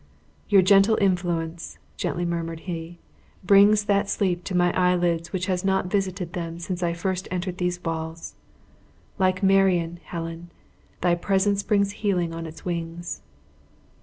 "Your gentle influence," gently murmured he, "brings that sleep to my eyelids which has not visited them since I first entered these walls. Like my Marion, Helen, thy presence brings healing on its wings."